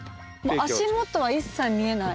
足元は一切見えない。